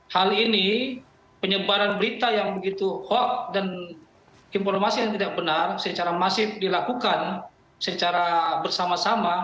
hal ini penyebaran berita yang begitu hoax dan informasi yang tidak benar secara masif dilakukan secara bersama sama